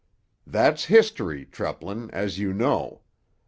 "That's history, Treplin, as you know.